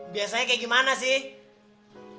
biasanya kayak gimana sih